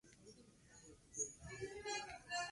Crece de forma importante.